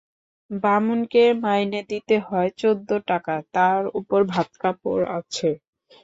বামুনকে মাইনে দিতে হয় চৌদ্দ টাকা, তার উপরে ভাত-কাপড় আছে।